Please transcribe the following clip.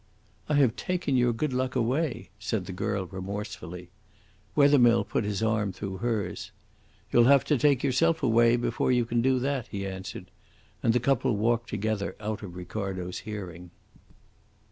"I have taken your good luck away," said the girl remorsefully. Wethermill put his arm through hers. "You'll have to take yourself away before you can do that," he answered, and the couple walked together out of Ricardo's hearing.